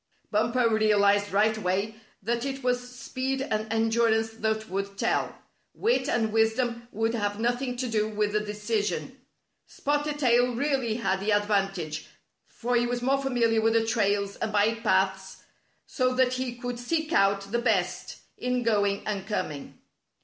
Bumper realized right away that it was speed and endurance that would tell. Wit and wisdom would have nothing to do with the decision. Spotted Tail really had the advantage, for he was more familiar with the trails and by paths so that he could seek out the best in going and coming.